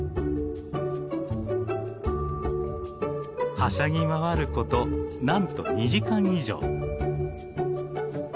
はしゃぎ回ることなんと２時間以上。